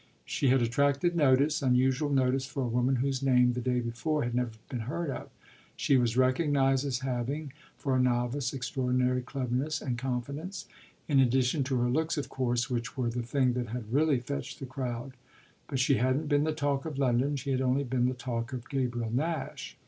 She had attracted notice, unusual notice for a woman whose name, the day before, had never been heard of: she was recognised as having, for a novice, extraordinary cleverness and confidence in addition to her looks, of course, which were the thing that had really fetched the crowd. But she hadn't been the talk of London; she had only been the talk of Gabriel Nash.